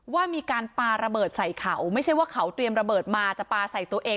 ว่ามีการปาระเบิดใส่เขาไม่ใช่ว่าเขาเตรียมระเบิดมาจะปลาใส่ตัวเอง